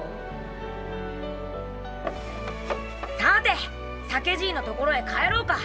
さあて酒爺の所へ帰ろうか！